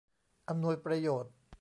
อำนวยประโยชน์